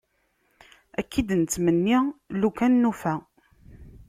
Akka i d-nettmenni lukan nufa.